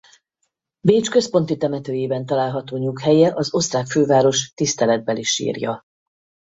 Bécs központi temetőjében található nyughelye az osztrák főváros tiszteletbeli sírja.